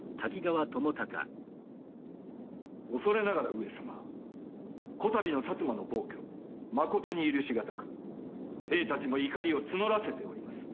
恐れながら上様此度の摩の暴挙まことに許し難く兵たちも怒りを募らせております。